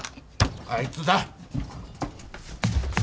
あいつだ。